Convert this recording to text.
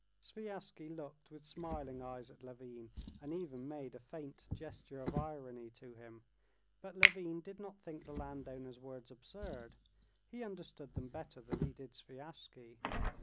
Sviazhsky looked with smiling eyes at Levin, and even made a faint gesture of irony to him; but Levin did not think the landowner's words absurd, he understood them better than he did Sviazhsky.